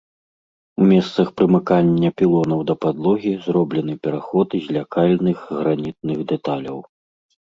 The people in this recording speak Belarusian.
У месцах прымыкання пілонаў да падлогі зроблены пераход з лякальных гранітных дэталяў.